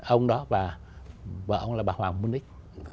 ông đó và vợ ông là bà hoàng môn ích